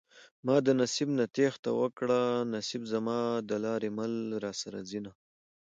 ما د نصيب نه تېښته وکړه نصيب زما د لارې مل راسره ځينه